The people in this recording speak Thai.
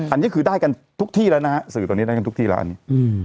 อันนี้คือได้กันทุกที่แล้วนะฮะสื่อตอนนี้ได้กันทุกที่แล้วอันนี้อืม